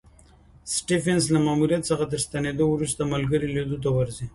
سټېفنس له ماموریت څخه تر ستنېدو وروسته ملګري لیدو ته ورځي.